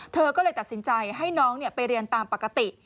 เธอก็เลยตัดสินใจให้น้องไปเรียนตามปกติ